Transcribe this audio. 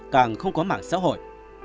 càng không có mảng xã hội